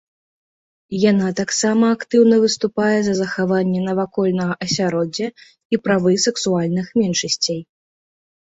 Яна таксама актыўна выступае за захаванне навакольнага асяроддзя і правы сексуальных меншасцей.